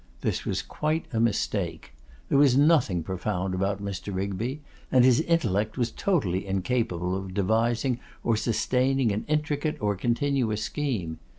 This was quite a mistake. There was nothing profound about Mr. Rigby; and his intellect was totally incapable of devising or sustaining an intricate or continuous scheme.